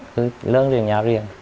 cứ lớn đến nhỏ riêng